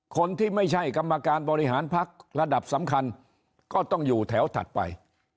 คนที่ไม่ใช่กรรมการบริหารพักระดับสำคัญก็ต้องอยู่แถวถัดไป